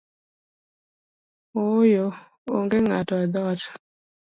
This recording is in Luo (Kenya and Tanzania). Ooyo, onge ng’ato edhoot